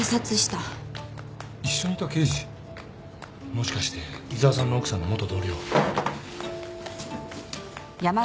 もしかして井沢さんの奥さんの元同僚。